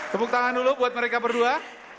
tepuk tangan dulu buat mereka berdua